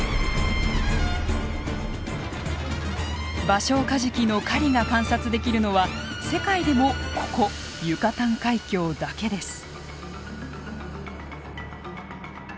バショウカジキの狩りが観察できるのは世界でもここユカタン海峡だけです。